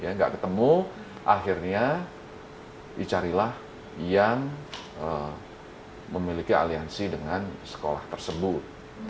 tidak ketemu akhirnya dicarilah yang memiliki aliansi dengan sekolah tersebut